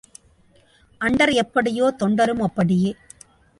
Under எப்படியோ, தொண்டரும் அப்படியே.